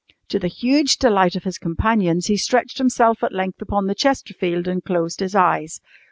To the huge delight of his companions, he stretched himself at length upon the chesterfield and closed his eyes.